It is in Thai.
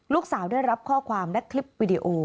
ลูกสาวได้รับข้อความและคลิปวิดีโอ